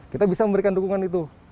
kita bisa memberikan dukungan itu